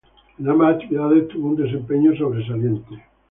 En ambas actividades tuvo un desempeño sobresaliente.